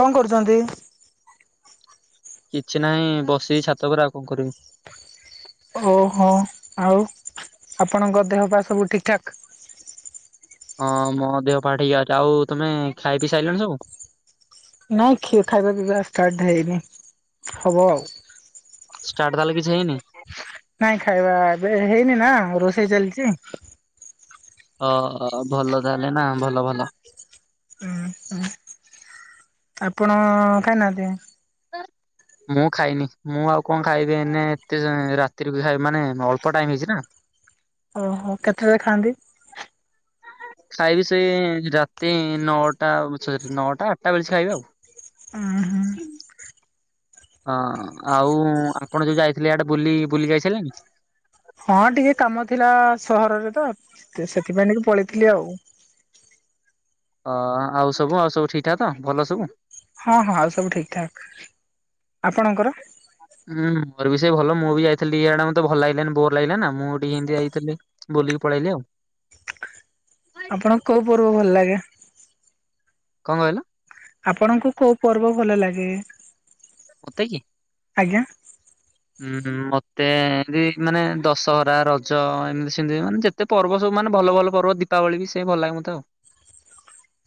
[inaudible] କଣ କରୁଛନ୍ତି? କିଛି ନାହିଁ ବସିକି ଛାତ ଉପରେ ଆଉ କଣ କରିବି। ଓହୋ ଆଉ ଆପଣଙ୍କ ଦେହ [unintelligible] ସବୁ ଠିକ ଠାକ୍? ହଁ ମୋ ଦେହ [unintelligible] ଠିକ୍ ଅଛି ଆଉ ତମେ ଖାଇ ପିଇ ସାଇଲଣି ସବୁ? ନାଇଁ ଖି ଖାଇବା ପିଇବା ଷ୍ଟାର୍ଟ ହେଇନି ହବ ଆଉ। ଷ୍ଟାର୍ଟ ତାହେଲେ କିଛି ହେଇନି ନାଇଁ ଖାଇବା ଏବେ ହେଇନି ନା ରୋଷେଇ ଚାଲ୍ ଛି? ଅ ଭଲ ତାହେଲେ ନା ଭଲ ଭଲ। ହୁଁ ହୁଁ ଆପଣ ଖାଇନାହାନ୍ତି? ମୁଁ ଖାଇନି ମୁଁ ଆଉ କଣ ଖାଇବି ଏଇନେ ଏତେ ରାତିରେ ଖାଇ ମାନେ ଅଳ୍ପ ଟାଇମ ହେଇଛି ନା। ଓହୋ କେତେବେଳେ ଖାଆନ୍ତି? ଖାଇବି ସେ ରାତି ନଅଟା [unintelligible] ନଅଟା ଆଟଟା ବେଳେ ଖାଇବି ଆଉ। ଓ ହୋ। ହଁ ଆଉ ଆପଣ ଯୋଉ ଯାଇଥିଲେ ଆଡେ ବୁଲି ବୁଲି ଯାଇ ସାରିଲଣିି। ହଁ ଟିକେ କାମ ଥିଲା ସହରରେ ତ ସେଥିପାଇଁ ଟିକେ ପଳେଇଥିଲି ଆଉ। ଅ ଆଉ ସବୁ ଆଉ ସବୁ ଠିକଠା ତ ଭଲ ସବୁ। ହଁ ହଁ ଆଉ ସବୁ ଠିକ ଠାକ୍ ଆପଣଙ୍କର ହୁଁ ମୋର ବି ସେ ଭଲ ମୁଁ ବି ଯାଇଥିଲି ଆଡେ ମତେ ଭଲ ଲାଗିଲାନି ବୋର ଲାଗିଲାାନ ନା ମୁଁ ଟିକେ ହିନ୍ଦୀ ଯାଇଥିଲି ବୁଲିକି ପଳେଇଲି ଆଉ। ଆପଣଙ୍କୁ କୋଉ ପର୍ବ ଭଲ ଲାଗେ? କଣ କହିଲ ଆପଣଙ୍କୁ କୋଉ ପର୍ବ ଭଲ ଲାଗେ ମତେ କି ଆଜ୍ଞା ହୁଁ ମତେ ଏମିତି ମାନେ ଦଶହରା ରଜ ଏମିତି ସେମିତି ମାନେ ଯେତେ ପର୍ବ ସବୁ ମାନେ ଭଲ ଭଲ ପର୍ବ ଦୀପାବଳି ବି ସେ ଭଲ ଲାଗେ ମୋତେ ଆଉ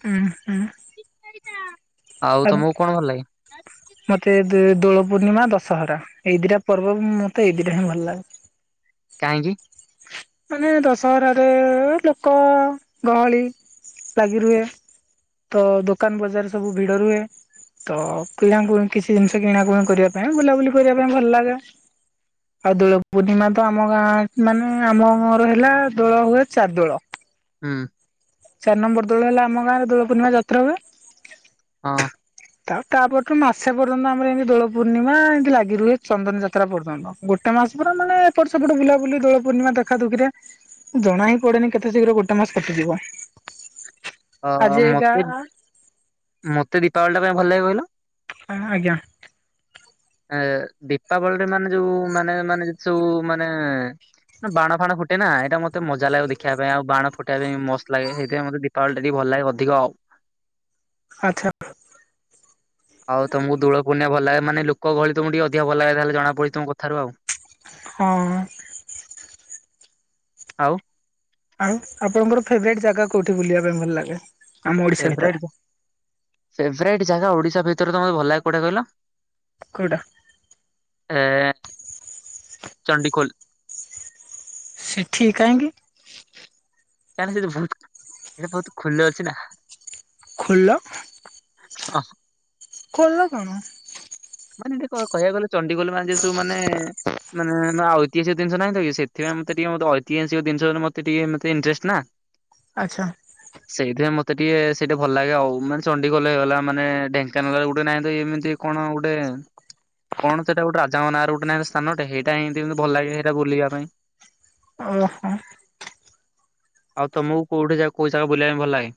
ହୁଁ ହୁଁ ଆଉ ଆ ତମକୁ କଣ ଭଲ ଲାଗେ ମତେ ଦୋଳ ପୂର୍ଣ୍ଣିମା ଦଶହରା ଏଇ ଦିଟା ପର୍ବ ମତେ ଇ ଦିଟା ହିଁ ଭଲ ଲାଗେ କାହିଁକି ମାନେ ଦଶହରାରେ ଲୋକ ଗହଳି ଲାଗି ରୁହେ ତ ଦୋକାନ ବଜାର ସବୁ ଭିଡ ରୁହେ ତ କିଣାକୁ କିଛି ଜିନିଷ କିଣାକୁଣି କରିବା ପାଇଁ ବୁଲାବୁଲି କରିବା ପାଇଁ ଭଲ ଲାଗେ ଆଉ ଦୋଳ ପୂର୍ଣ୍ଣିମା ତ ଆମ ଗାଁ ମାନେ ଆମ ଗର ହେଲା ଦୋଳ ହୁଏ ଚାରି ଦୋଳ ହଁ ଚାରି ନମ୍ବର ଦୋଳ ହେଲା ଆମ ଗାଁ ରେ ଦୋଳ ପୂର୍ଣ୍ଣିମା ଯାତ୍ରା ହୁଏ ହଁ ଆଉ ତାପୁ ମାସେ ପର୍ଯ୍ୟନ୍ତ ଆମର ଏମିତି ଦୋଳ ପୂର୍ଣ୍ଣିମା ଏମିତି ଲାଗି ରୁହେ ଚନ୍ଦନ ଯାତ୍ରା ପର୍ଯ୍ୟନ୍ତ ଗୋଟେ ମାସ ପ ମାନେ ଏପଟ ସେପଟ ବୁଲାବୁଲି ଦୋଳ ପୂର୍ଣ୍ଣିମା ଦେଖା ଦୁଖିରେ ଜଣା ହିଁ ପଡେନି କେତେ ଶୀଘ୍ର ଗୋଟେ ମାସ କଟିଯିବ ଅ ଆଜି ଏକା ମତେ ମତେ ତଳଟା ପାଇଁ ଭଲ ଲାଗିବ କହିଲ ନା ଆଜ୍ଞା ଏ ଦୀପାବଳିରେ ମାନେ ଯୋଉ ମାନେ ମାନେ ସୋଉ ମାନେ ବାଣ ଫାଣ ହୁଟେ ନା ଏଇଟା ମତେ ମତେଜାଗ ଦେଖିବା ପାଇଁ ଆଉ ବାଣ ଫ ସେଇଟା ମସ୍ତ ଲାଗେ ସେଇଥିପାଇ ମୋତେ ଦୀପାବଳି ଟା ବି ଭଲ ଲାଗେ ଅଧିକ ଆଉ ଆଚ୍ଛା ଆଉ ତମକୁ ଦୋଳ ପୁନଣିଆ ଭଲ ଲାଗେ ମାନେ ଲୋକ ଗଳି ତମକୁ ଟିକେ ଅଧିକ ଭଲ ଲାଗେ ତାହେଲେ ଜଣା ପଡଛି ତମ କଥାରୁ ଆଉ ହଁ ଆଉ ଆଉ ଆପଣଙ୍କର ଫେବରଟ ଜାଗା କୋଉଠି ବୁଲିବା ପାଇଁ ଭଲ ଲାଗେ ଆମ ଓଡିଶା ଭିତରେ ଫେଭ ଫେବ୍ରେଟ ଜାଗା ଓଡିଶା ଭିତ [unintelligible] ତମତ ଭଲ ଲାଗ କଉଟେ କହିଲ କୋଉଟା ଆ ଚଣ୍ଡିଗୋଲ୍ ସେଠି କାହିଁକିି କ ସେ ଏଇଟା ବହୁତ ଖୋଲ ଅଛି ନା କଣ କହିଲ [unintelligible] କୋଲ କଣ ମାନେ ଟିକ କହିବା ଗଲେ ଚଣ୍ଡିଖୋଲ ମାନେ ଯ ସବୁ ମାନେ ମାନେ ଐତିସ ଜିନି ନାହିଁ ସେଥିପାଇ ମୋତେ ଟିକେ ଐତିହାସିକ ଜିନଷରେ ମତେ ଟିକେ ମେଇଣ୍ଟରେଷ୍ଟଟ ନା ଆଚ୍ଛା ସେଇଥିଇଁ ମତେ ତ ଟିକେ ସେଇଟା ଭଲ ଲାଗେ ଆଉ ମାନେ ଚଣ୍ଡି ଗୋଲ ହେଇଗଲା ମାନେ ଢେଙ୍କାନାଲାରେ ଗୋଟେ ନାହିଁ ତ ଏମିତି କଣ ଗଟେ ଗୋଟେ କଣ ସେଇଟା ଗୋଟେ ରାଜାଙ୍କ ନାଁ ର ଗୋଟେ ନାହିଁ ସ୍ଥାନଟେ ସେଇଟା ହମତି ଭଲ ଲାଗେ ସେଇଟା ବୁଲିବା ପାଇଁ ଓହୋ ଆଉ ତମକୁ କୋଉଠି ଯାଗ କୋଉ ଜାଗା ବୁଲିବା ପାଇଁ ଭଲ ଲାଗେ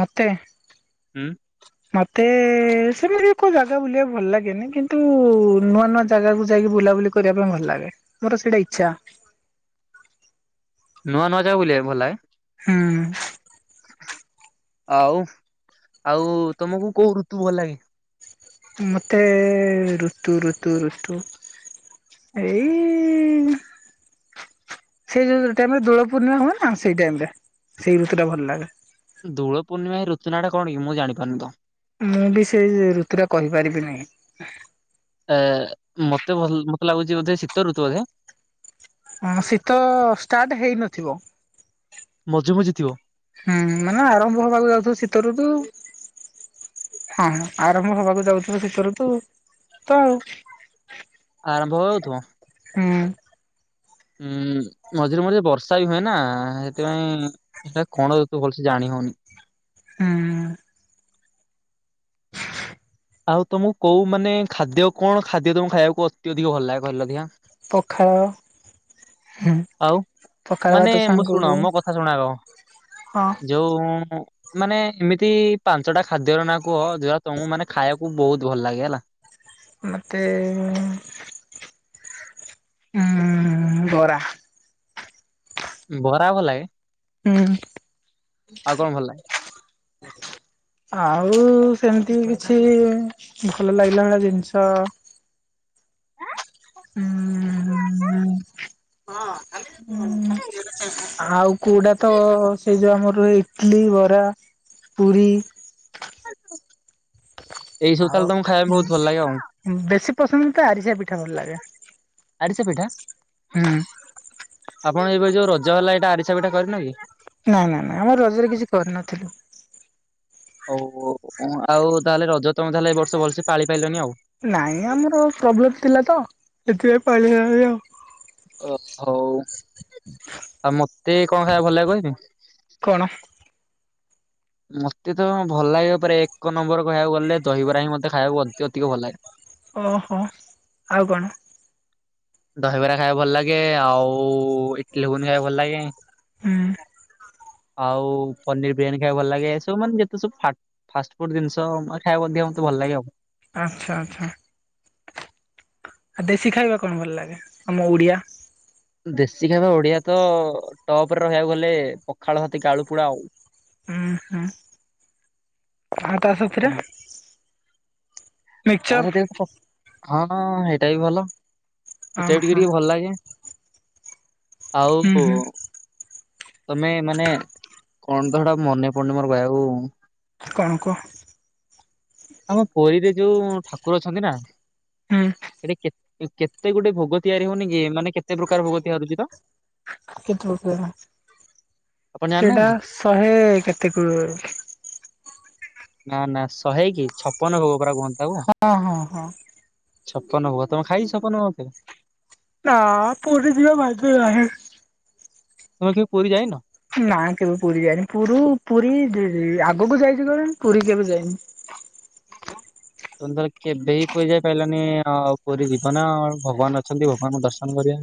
ମତେ ହୁଁ ମତେ ସେମିତି କୋଉ ଜାଗା ବୁଲିବାକୁ ଭଲ ଲାଗେନି କିନ୍ତୁ ନୂଆ ନୂଆ ଜାଗାକୁ ଯାଇକି ବୁଲାବୁଲି କରିବା ପାଇଁ ଭଲ ଲାଗେ ମୋର ସେଇଟା ଇଚଛା ନୂଆ ନୂଆ ଯା ବୁଲିବାକୁ ଭଲ ଲାଗେ? ହୁଁ। ଆଉ ଆଉ ତମକୁ କୋଉ ଋତୁ ଭଲ ଲାଗେ? ମତେ ଋତୁ ଋତୁ ଋତୁ ଏଇ ସେଇ ଯୋଉ ଟାଇମରେ ଦୋଳ ପୂର୍ଣ୍ଣିମା ହୁଏ ନା ସେଇ ଟାଇମରେ ସେଇ ଋତୁ ଟା ଭଲ ଲାଗେ। ଦୋଳ ପୂର୍ଣ୍ଣିମା ରଚୁନାଟା କଣ କି? ମୁଁ ଜାଣିପାରୁନି ତ। ମୁଁ ବି ସେଇ ଋତୁୁରା କହିପାରିବିିନହିଁ। ଏ ମତେ ଭଲ ମତେ ଲାଗୁଛି ବୋଧେ ଶୀତ ଋତୁ ବୋଧେ। ହଁ ଶୀତ ଷ୍ଟାର୍ଟ ହେଇନଥିବ। ମଝେ ମଜି ଥିବ। ହୁଁ ମାନେ ଆରମ୍ଭ ହବାକୁ ଯାଉଥୁ ଶୀତରୁ ତୁ। ହଁ ଆରମ୍ଭ ହବାକୁ ଯାଉଥିବ ଶୀତରୁ ତୁ ତ ଆଉ। ଆରମ୍ଭ ହେଉଥିବ ହୁଁ ଉଁ ମଝିରେ ମଝିରେ ବର୍ଷା ବି ହୁଏ ନା ସେଥିପାଇଁ ସେଟା କଣ ତୁ ଭଲସେ ଜାଣି ହଉନି। ହଁ। ଆଉ ତମକୁ କୋଉ ମାନେ ଖାଦ୍ୟ କଣ ଖାଦ୍ୟ ତମକୁ ଖାଇବାକୁ ଅତ ଅଧିକ ଭଲ ଲାଗେ କହିଲ ଅଧଆ। ପଖାଳ ହୁଁ ଆଉ ପଖାଳ ମାନେ ଭାତ ମୁଁ ଶୁଣ ସାଙ୍ଗକୁ ମୋ କଥା ଶୁଣ ଆଗ ହଁ ଯୋଉ ମାନେ ଏମିତି ପାଞ୍ଚଟା ଖାଦ୍ୟର ନାଁ କୁହ ଯଉଟା ତମକୁ ମାନେ ଖାଇବାକୁ ବହୁତ ଭଲ ଲାଗେ ହେଲା ମତେ। ହୁଁ ବରା। ବରା ଭ ଲାଗେ ହୁଁ। ଆଉ କଣ ଭଲ ଲାଗେ? ଆଉ ସେମିତି କିଛି ଭଲ ଲାଗିଲା ଭଳି ଜିନିଷ ଆ। ହୁଁୁଁ। ଆଉ କୋଉଟା ତ ସେଇ ଯୋଉ ଆମର ଇଟଲି ବରା ପୁରି। ଏଇ ସବୁ ଆଉ ତାହେଲେ ତମକୁ ଖାଇବା ପାଇଁ ବହୁତ ଭଲ ଲାଗେ ଆଉ ବେଶୀ ପସନ୍ଦ ତ ଆରିସା ପିଠା ଭଲ ଲାଗେ। ଆରିସା ପିଠା ହୁଁ। କଣ ଏବେ ଯଉ ରଜ ହେଲା ଏଟା ଆରିସା ବିଟା କରିନ କି? ନାଇ ନାଇ ନାଇଁ ଆମର ରଜରେ କିଛି କରିନଥିଲୁ। ହଉ ହଉ ଆଉ ତାହେଲେ ରଜ ତମେ ତାହେଲେ ଏ ବର୍ଷ ଭଲସେ ପାଳି ପାଇଲନି ଆଉ। ନାଇଁ ଆମର ପ୍ରୋବ୍ଲେମ ଥିଲା ତ। ଏଥିପାଇଁ ପାଳିହେଲାନି ଆଉ। ଅ ହଉ ଆଉ ମତେ କଣ ଖାଇବା ଭଲ କହିବି କଣ ମତେ ତ ଭଲ ଲାଗିବ ପା ଏକ ନମ୍ବର କହିବାକୁ ଗଲେ ଦହିବରା ହିଁ ମତେ ଖାଇବାକୁ ଅଧିକ ଭଲ ଲାଗେ ଓହୋ ଆଉ କଣ ଦହିବରା ଖାଇବା ଭଲ ଲାଗେ ଆଉ ଇଟଲିବୁନ ଖାଇବା ଭଲ ଲାଗେ ହୁ ଆଉ ପନିର ବିରିୟାନୀ ଖାଇବା ଭଲ ଲାଗେ ଏ ସବୁ ମାନେ ଯେତେ ସବୁ ଫ ଫାଷ୍ଟ ଫୁଡ ଜିନିଷେ ଖାଇବା ମତେ ଭଲ ଲାଗେ ଆଉ। ଆଚ୍ଛା ଆଚ୍ଛା। ଆଉ ଦେଶୀ ଖାଇବା କଣ ଭଲ ଲାଗେ ଆମ ଓଡିଆ? ଦେଶୀ ଖାଇବା ଓଡିଆ ତ ଟପରେ ରହିବାକୁ ଗଲେ ପଖାଳ ହତି କାଳୁ ପୋଡା ଆଉ। ଉଁ ହୁ। ଆଉ ତା ସଥିରେ? ତା ସାଥିରେ ପ ହଁ ହେଇଟା ବି ଭଲ। ହଁ ସେଟା ବି ଟିକେ ହଁ ଟିକେ ଭଲ ଲାଗେ। ଆଉ ହୁଁ ବୁ ହୁଁ ତମେ ମାନେ କଣ ତ ହେଟା ମନେ ପଡୁନି ମୋର କହିବାକୁ। କଣ କହ। କଣ ପୋଇ ରେ ଯୋଉ ଠାକୁର ଅଛନ୍ତି ନା ହୁଁ ହେଠି କେତେ କେତେ ଗୋଟେ ଭୋଗ ତିଆରି ହଉନି କି ମାନେ କେତେ ପ୍ରକାର ଭୋଗ ତିଆରି ହୋଉଚି ତ? କେତେ ପ୍ରକାର ଆପଣ ସେଇଟା ଜାଣିନାହାନ୍ତି? ଶହେ କେତେ କ ନା ନା ଶହେ କି ଛପନ ଭୋଗ ପରା କୁହନ୍ତି। ତାକୁ। ହଁ ହଁ ହଁ। ଛପନ ଭୋଗ ତମେ ଖାଇ ଛପନ କେବେ? ନା ପୁରୀ ଯିବା ଭାଗ୍ୟ ନାହିଁ। ତମେ କେବେ ପୁରୀ ଯାଇନ? ନା କେବେ ପୁରୀ ଯାଇନି ପୁରୀ ପୁରୀ ଆଗକୁ ଯାଇଛି କଣ ପୁରୀ କେବେ ଯାଇନି। ତମେ ଧର କେବେ ହିଁ ପୁରଇ ଯାଇ ପାରିଲାନି ଆଉ ପୁରୀ ଯିବ ନା ଭଗବାନ ଅଛନ୍ତି ଭଗବାନଙ୍କୁ ଦର୍ଶନ କରିବ।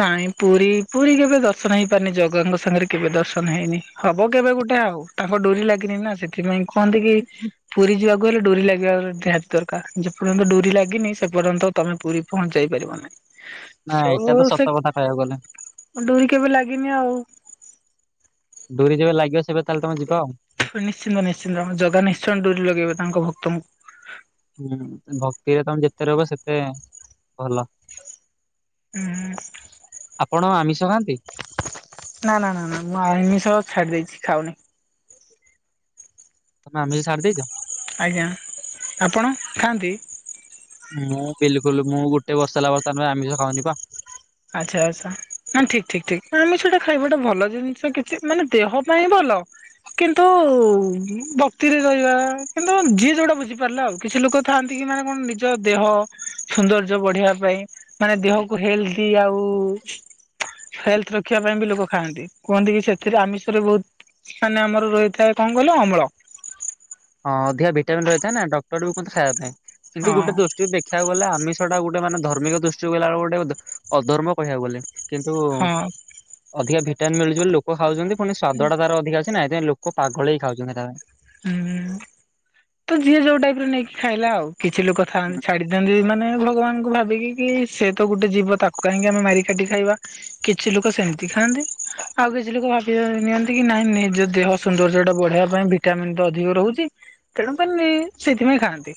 ନାଇଁ ପୁରୀ ପୁରୀ କେବେ ଦର୍ଶନ ହେଇ ପାରନି ଜଗାଙ୍କ ସାଙ୍ଗରେ କେବେ ଦର୍ଶନ ହେଇନି ହବ କେବେ ଗୋଟେ ଆଉ ତାଙ୍କ ଡୋରି ଲାଗିନି ନା ସେଥିପାଇଁ। କୁହନ୍ତି କି ପୁରୀ ଯିବାକୁ ଗଲେ ଡୋରି ଲାଗିବାର ନିହାତି ଦରକାର ଯେ ପର୍ଯ୍ୟନ୍ତ ଡୋରି ଲାଗିନି ସେ ପର୍ଯ୍ୟନ୍ତ ତମେ ପୁରୀ ପହଞ୍ଚ ଯାଇ ପାରିବ ନାହିଁ ନାଁ ସୋ ଏଇଟା ତ ସେ ସତ। କଥା କହିବାକୁ ଗଲେ। ଡୋରି କେବେ ଲାଗିନି ଆଉ। ଡୋରି ଯେବେ ଲାଗିବ ସେବେ ତାହେଲେ ତମ ଯିବ। ଆଉ। ନିଶ୍ଚିନ୍ତ ନିଶ୍ଚିନ୍ତ ଆମ ଜାଗା ନିଶ୍ଚୟ ଦୂର ଲଗେଇବ ତାଙ୍କ ଭ ତମ ହୁଁ ଭକ୍ତିରେ ତମେ ଯେତେ ରହିବ ସେତେ ଭଲ। ହୁଁ ଆପଣ ଆମିଷ ଖାଆନ୍ତି? ନା ନା ନା ନା ମୁଁ ଆମିଷ ଛାଡି ଦେଇଛି ଖାଉନି। ତମେ ଆମିଷ ଛାଡ଼ି ଦେଇଛ? ଆଜ୍ଞା ଆପଣ ଖାଆନ୍ତି? ମୁଁ ବିଲକୁଲ ମୁଁ ଗୋଟେ ବର୍ଷ ହେଲା [unintelligible] ଆମିଷ ଖାଉନି ପା। ଆଚ୍ଛା ଆଚ୍ଛା ନା ଠିକ ଠିକ ଠିକ ଆମେ ସେଟା ଖାଇବାଟା ଭଲ ଜିନିଷ କିଛି ମାନେ ଦେହ ପାଇଁ ଭଲ କିନ୍ତୁ ବକ୍ତିରେ ରହିବା କିନ୍ତୁ ଯିଏ ଯୋଉଟା ବୁଝିପାରିଲା ଆଉ କିଛି ଲୋକ ଥାଆନ୍ତି କି ମାନେ କଣ ନିଜ ଦେହ ସୌନ୍ଦର୍ଯ୍ୟ ବଢିବା ପାଇଁ ମାନେ ଦେହକୁ ହେଲ୍ଥ। ଆଉ ହେଲ୍ଥ ରଖିବା ପାଇଁ ବି ଲୋକ ଖାଆନ୍ତି କୁହନ୍ତି କି ସେଥିରେ ଆମିଷରେ ବହୁତ ମାନେ ଆମର ରହିଥାଏ କଣ କହିଲ ଅମଳ। ହଁ ଅଧିକା ଭିଟାମନ୍ ରହିଛି। ତାଇଁ ନା ଡଟର କୁ କହନ୍ତି ଖାଇବା ପାଇଁଁ। କିନ୍ତୁ ହଁ ଗୋଟେ ଦୃଷ୍ଟିକୁ ଦେଖିବାକୁ ଗଲେ ଆମିଷଟା ଗୋଟେ। ଗୋଟେ ମାନେ ଧର୍ମିକ ଦୃଷ୍ଟି ଗଲା ବେଳକୁ ଗଟେ ଅଧର୍ମ କହିବାକୁ ଗଲେ। କିନ୍ତୁ ହଁ ଅଧିକା ଭିଟାମିନ ମିଳୁଛି ବୋଲି ଲୋକ ଖାଉଛନ୍ତି ପୁଣି ସ୍ୱାଦଟା ତାର ଅଧିକା ଅଛି ନାଁ ହିଥିପାଇଁ। କଉ ପାଗଳ ହେଇ ଖାଉଛନ୍ତି ତା। ହୁଁ ତୋ ଝିଅ ଯୋଉ ଟାଇପର ନେଇକି ଖାଇଲା ଆଉ। କିଛି ଲୋକ ଥାଆନ୍ତି ପାଇଁ। ଛାଡି ଦିଅନ୍ତି ମାନେ। ଭଗବାନ କ ଭାବିକି କି ସେ ତ ଗୋଟେ ଜୀବ ତାକୁ କାହିଁକି ଆମେ ମାରିକାଟି ଖାଇବା କିଛି ଲୋକ ସେମିତି ଖାଆନ୍ତି ଆଉ କିଛି ଲୋକ ଭାବି ନିଅନ୍ତି କି ନାଇଁ ନିଜ ଦେହ ସୌନ୍ଦର୍ଯ୍ୟ ଟା ବଢେଇବା ପାଇଁ। ଭିଟାମିନ୍ ତ ଅଧିକ ରହୁଛି। ତେଣୁ କନି। ସେଥିପାଇଁ ଖାଆନ୍ତି।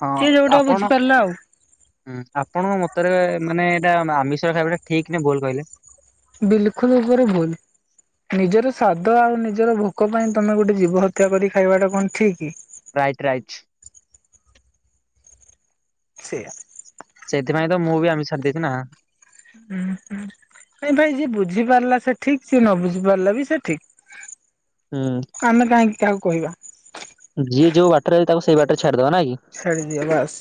ହଁ ସିଏ ଯୋଉଟା ଆପଣ ବୁଝିପାରିଲା ଆଉ ଆପଣ ମତରେ ମାନେ। ଆମିଷର ଖାଇବାଟା ଠିକ ନଁ ଭଲ କହିଲେ। ବିଲକୁଲ ଉପରେ ଭୁଲ ନିଜର ସ୍ଵାଦ ଆଉ ନିଜର ଭୋକ ପାଇଁ ତମେ ଗୋଟେ ଜୀବ ହତ୍ୟା କରି ଖାଇବାଟା କଣ ଠିକ କି। Right right. ସେଇଆ। ସେଥିପାଇଁ ତ ମୁଁ ବି ଆମି ଛଡି ଦେଇେଇଛି ନା। ହୁଁ ହୁଁ ନାଇଁ ଭାଇ ଯିଏ ବୁଝି ପାରିଲା ସେ ଠିକ ସେ ନ ବୁଝି ପାରିଲା ବି ସେ ହୁଁ ଠିକ। ଆମେ କାହିଁକି। କାହାକୁ କହିବା। ଯିଏ ଯୋଉ ବାଟରେ ତାକୁ ସେଇ ବାଟରେ ଛାଡିଦବା ନା କି ସାର ଦିଆ ବାସ୍।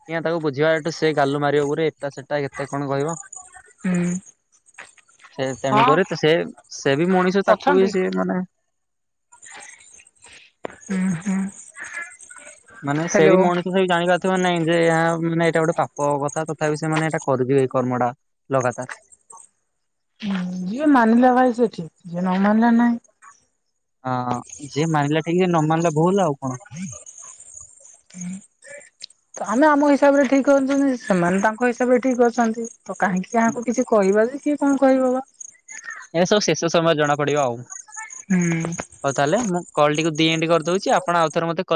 ଆଜ୍ଞା ତାକୁ ବୁଝିବା ଏଠୁ ସେ ଗାଲୁ ମାରିବ ପ ଏଇଟା ସେଟ କେତେ କଣ କହିବ। ହୁଁ। ସେ ହଁ ତେଣୁକରି ସେ ସେ ବି ମଣିଷ ତାକୁ ଅଛନ୍ତି। ବି ସେମାନେ। ହୁଁ ହୁଁ। ମାନେ ସେ ହ୍ୟାଲୋ। ବି ମଣିଷ ସେଇ ଜାଣିପାରୁଥିବେ ନାଇଁ। ଯେ ଏହା ମାନେ ଏଇଟା ଗୋଟେ ପାପ କଥା ତଥାପି ସେମାନେ ଏଇଟା କରିବେ ଏଇ କର୍ମଟା ଲଗାତାର। ହଁ ଯିଏ ମାନିଲା ଭାଇ ସେ ଠିକ ଯିଏ ନ ମାନିଲା ନାଇଁ। ହଁ ଯିଏ ମାନିଲା ଠିକ ସେ ନ ମାନିଲା ଭୁଲ ଆଉ। କଣ ହ ତ ଆମେ ଆମ ହିସାବରେ ଠିକ୍ ଅଛନ୍ତି, ସେମାନେ ତାଙ୍କ ହିସାବରେ ଠିକ୍ ଅଛନ୍ତି। ତ କାହିଁକି କାହାକୁ କିଛି କହିବା ଯେ? କିଏ କଣ କହିବ ବା? ଏ ସବୁ ଶେଷ ସମୟରେ ଜଣା ପଡିବ ଆଉ। ହୁଁ। ହଉ ତାହେଲେ, ମୁଁ କଲ୍ ଟିକୁ ଦି ଏଣ୍ଡ କରିଦେଉଛି, ଆପଣ ଆଉଥରେ ମୋତେ କ